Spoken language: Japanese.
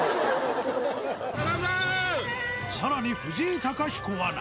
さらに藤井貴彦アナ。